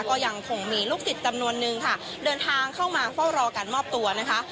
ก็ยังคงมีลูกศิษย์จำนวนนึงค่ะเดินทางเข้ามาเฝ้ารอการมอบตัวนะคะ